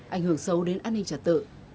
ảnh hưởng sâu đến an ninh trả tự